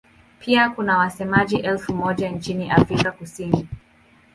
Pia kuna wasemaji elfu moja nchini Afrika Kusini.